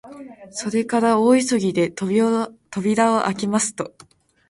それから大急ぎで扉をあけますと、